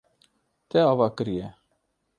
Te ava kiriye.